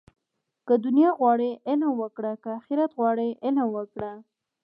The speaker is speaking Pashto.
که دنیا غواړې، علم وکړه. که آخرت غواړې علم وکړه